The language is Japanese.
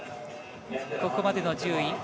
ここまでの１０位。